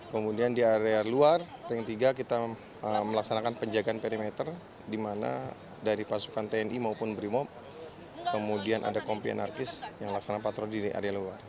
kemudian di area luar ring tiga kita melaksanakan penjagaan perimeter di mana dari pasukan tni maupun brimob kemudian ada kompi anarkis yang melaksanakan patroli di area luar